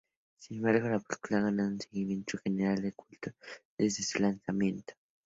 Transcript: Sin embargo, la película ha ganado un seguimiento general de culto desde su lanzamiento.